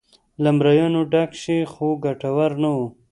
له مریانو ډک شي خو ګټور نه و.